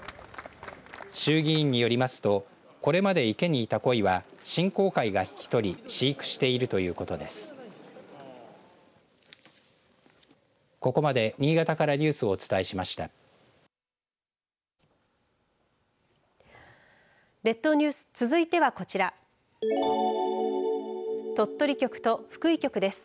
衆議院によりますとこれまで池にいたこいは振興会が引き取り飼育しているということです。